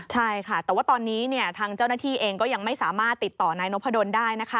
ใช่ค่ะแต่ว่าตอนนี้ทางเจ้าหน้าที่เองก็ยังไม่สามารถติดต่อนายนพดลได้นะคะ